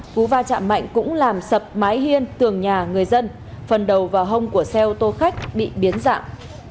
cú va chạm mạnh cũng làm sập mái hiên tường nhà người dân phần đầu vào hông của xe ô tô khách bị biến dạng